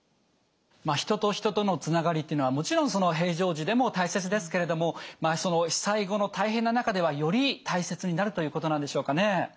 人と人とのつながりっていうのはもちろん平常時でも大切ですけれども被災後の大変な中ではより大切になるということなんでしょうかね。